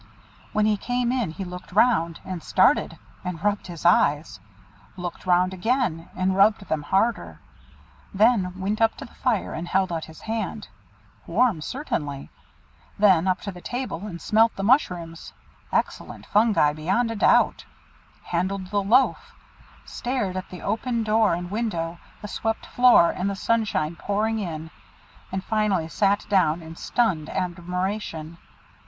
When he came in he looked round, and started, and rubbed his eyes; looked round again, and rubbed them harder: then went up to the fire and held out his hand, (warm certainly) then up to the table and smelt the mushrooms, (esculent fungi beyond a doubt) handled the loaf, stared at the open door and window, the swept floor, and the sunshine pouring in, and finally sat down in stunned admiration.